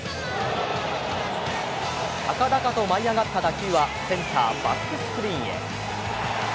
高々と舞い上がった打球はセンターバックスクリーンへ。